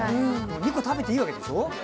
２個食べていいわけでしょ？